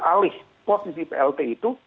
alih posisi plt itu